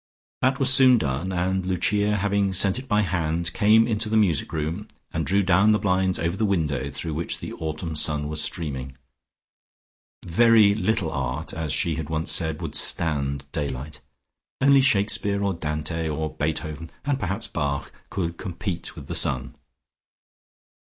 That was soon done, and Lucia, having sent it by hand, came into the music room, and drew down the blinds over the window through which the autumn sun was streaming. Very little art, as she had once said, would "stand" daylight; only Shakespeare or Dante or Beethoven and perhaps Bach, could compete with the sun.